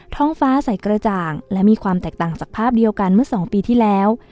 ท้องฟ้าใสกระจ่างและมีความแตกต่างจากภาพเดียวกันเมื่อ๒ปีที่แล้ว